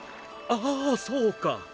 ああそうか。